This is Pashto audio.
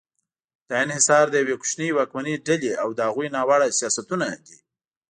دا انحصار د یوې کوچنۍ واکمنې ډلې او د هغوی ناوړه سیاستونه دي.